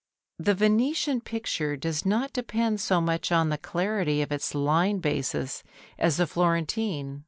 The Venetian picture does not depend so much on the clarity of its line basis as the Florentine.